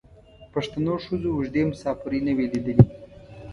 پښتنو ښځو اوږدې مسافرۍ نه وې لیدلي.